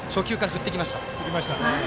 振ってきましたね。